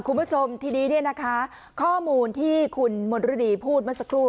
คุณผู้ชมทีนี้เนี่ยนะคะข้อมูลที่คุณมณฤดีพูดเมื่อสักครู่